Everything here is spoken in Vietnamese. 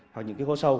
hoặc những cái hố sâu